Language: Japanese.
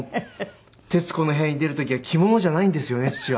『徹子の部屋』に出る時は着物じゃないんですよね父は。